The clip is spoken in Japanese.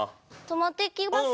泊まっていきます？